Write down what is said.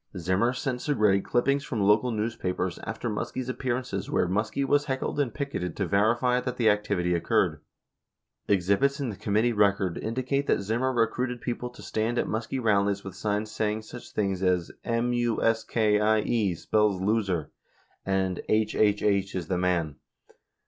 15 Zimmer sent Segretti clippings from local newspapers after Muskie's appearances where Muskie was heckled and picketed to verify that the activity occurred. 16 Exhibits in the Committee record indicate that Zimmer recruited people to stand at Muskie rallies with signs saying such things as "M U S K I E spells Loser" and "HHH is the Man."